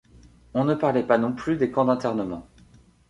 On ne parlait pas non plus des camps d’internements.